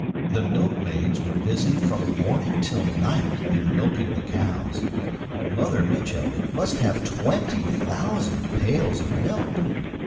The milkmaids were busy from morning till night in milking the cows. Mother Mitchel must have twenty thousand pails of milk.